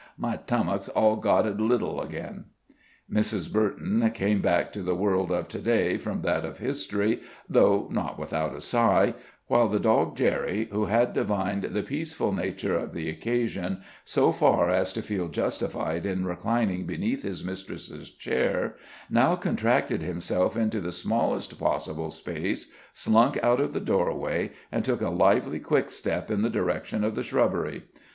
My tummuk's all gotted little again." Mrs. Burton came back to the world of to day from that of history, though not without a sigh, while the dog Jerry, who had divined the peaceful nature of the occasion so far as to feel justified in reclining beneath his mistress's chair, now contracted himself into the smallest possible space, slunk out of the doorway, and took a lively quickstep in the direction of the shrubbery.